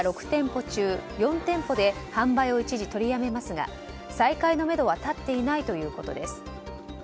６店舗中４店舗で販売を一時取りやめますが再開のめどは立っていないということです。